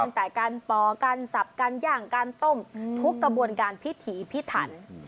ตั้งแต่การป่อการสับการย่างการต้มทุกกระบวนการพิถีพิถัน